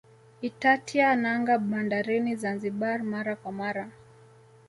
Itatia nanga bandarini Zanzibar mara kwa mara